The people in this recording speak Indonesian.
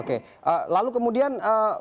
oke lalu kemudian